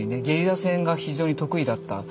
ゲリラ戦が非常に得意だった。